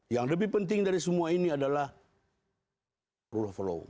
yang lebih penting dari semua ini adalah rule of law